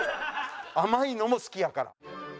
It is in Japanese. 甘いのも好きやから。